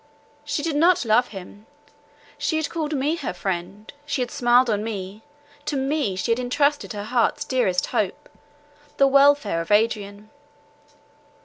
She did not love him; she had called me her friend; she had smiled on me; to me she had entrusted her heart's dearest hope, the welfare of Adrian.